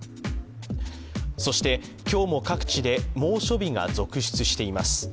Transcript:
そして今日も各地で猛暑日が続出しています。